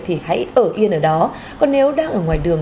thì hãy ở yên ở đó còn nếu đang ở ngoài đường